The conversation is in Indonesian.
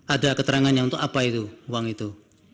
ada keterangannya untuk apa itu uang itu